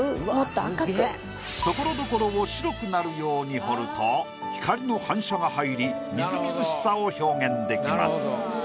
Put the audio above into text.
ところどころを白くなるように彫ると光の反射が入りみずみずしさを表現出来ます。